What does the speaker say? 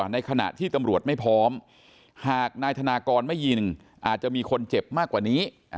ในขณะที่ตำรวจไม่พร้อมหากนายธนากรไม่ยิงอาจจะมีคนเจ็บมากกว่านี้